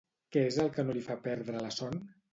Què és el que no li fa perdre la son?